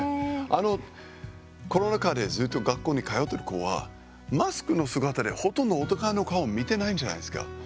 あの、コロナ禍でずっと学校に通ってる子はマスクの姿でほとんどお互いの顔見てないんじゃないですか。